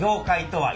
はい！